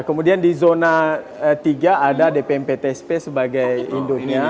kemudian di zona tiga ada dpmptsp sebagai induknya